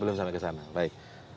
belum sampai ke sana baik